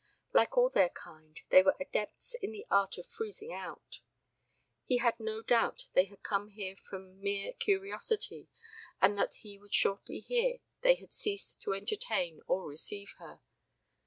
Like all their kind, they were adepts in the art of "freezing out." He had no doubt they had come here from mere curiosity and that he would shortly hear they had ceased to entertain or receive her.